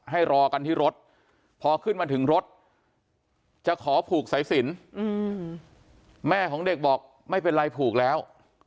ให้รอกันที่รถพอขึ้นมาถึงรถจะขอผูกสายสินแม่ของเด็กบอกไม่เป็นไรผูกแล้ว